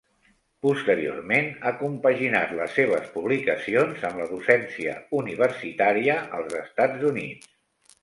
Posteriorment ha compaginat les seves publicacions amb la docència universitària als Estats Units.